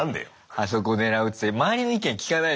あそこ狙うって周りの意見聞かないじゃん。